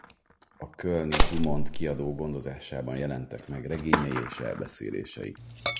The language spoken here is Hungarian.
A kölni DuMont kiadó gondozásában jelentek meg regényei és elbeszélései.